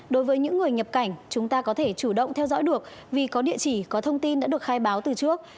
đối với những người nhập cảnh chúng ta có thể chủ động theo dõi được vì có địa chỉ có thông tin đã được khai báo từ trước